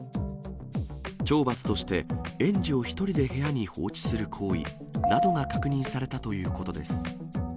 懲罰として園児を１人で部屋に放置する行為などが確認されたということです。